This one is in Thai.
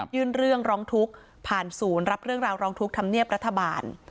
ยื่นเรื่องร้องทุกษ์ผ่านศูนย์รับเรื่องร้องทุกษ์ทำเนียบรัฐบาล